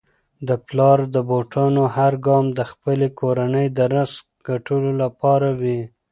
د پلار د بوټانو هر ګام د خپلې کورنی د رزق ګټلو لپاره وي.